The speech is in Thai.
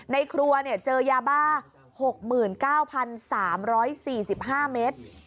ในครัวเจอยาบ้า๖๙๓๔๕เมตร